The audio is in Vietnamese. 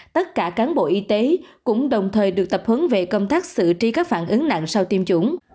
tất cả cán bộ y tế cũng đồng thời được tập hướng về công tác xử tri các phản ứng nặng sau tiêm chủng